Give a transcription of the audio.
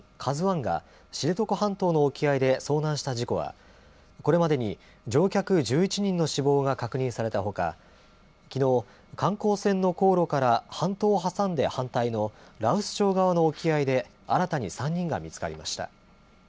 ＫＡＺＵＩが知床半島の沖合で遭難した事故は、これまでに乗客１１人の死亡が確認されたほか、きのう、観光船の航路から半島を挟んで反対の羅臼町側の沖合で、新たに３人が見つかりました。